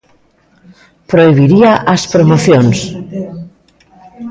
Prohibiría as promocións.